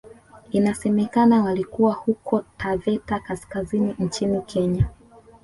Inasemekana walikuwa huko Taveta kaskazini nchini Kenya